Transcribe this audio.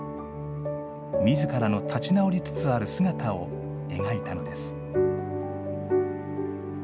みずからの立ち直りつつある姿を描いたのです。